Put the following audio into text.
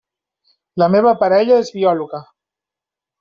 La meva parella és biòloga.